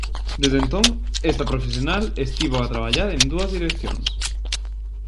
Desde entón, esta profesional estivo a traballar en dúas direccións.